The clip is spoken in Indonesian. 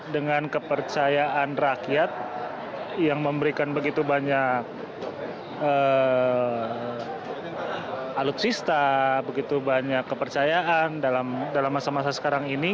dengan kepercayaan rakyat yang memberikan begitu banyak alutsista begitu banyak kepercayaan dalam masa masa sekarang ini